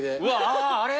ああれ？